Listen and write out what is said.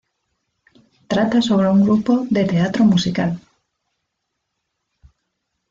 Trata sobre un grupo de teatro musical.